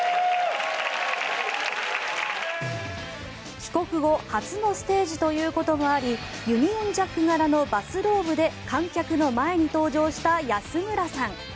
帰国後初のステージということもありユニオンジャック柄のバスローブで観客の前に登場した安村さん。